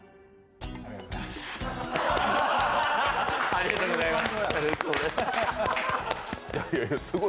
ありがとうございます。